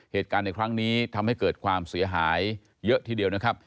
เหตุการณ์ในครั้งนี้ทำให้เกิดความเสียหายเยอะทีเดียวนะครับ